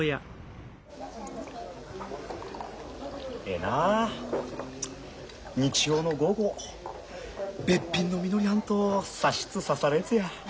ええなあ日曜の午後べっぴんのみのりはんと差しつ差されつや。